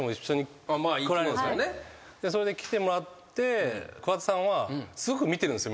それで来てもらって桑田さんはすごく見てるんですよ